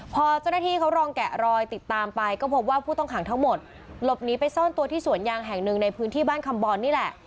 พอเจ้าหน้าที่เขาลองแกะรอยติดตามไปก็พบว่าผู้ต้องขังทั้งหมดหลบหนีไปซ่อนตัวที่สวนยางแห่งหนึ่งในพื้นที่บ้านคำบอลนี่แหละ